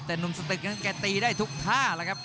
แต่หนุ่มสตึกนั้นแกตีได้ทุกท่าแล้วครับ